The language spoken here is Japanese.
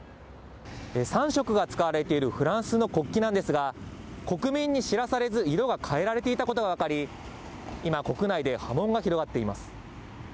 ３色が使われているフランスの国旗なんですが、国民に知らされず、色が変えられていたことが分かり、今、国内で波紋が広がっています。